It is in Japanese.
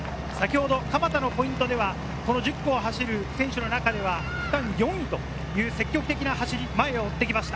蒲田のポイントでは１０区を走る選手の中で区間４位という積極的な走りで、前を追ってきました。